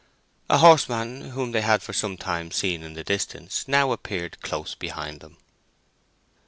A horseman, whom they had for some time seen in the distance, now appeared close beside them.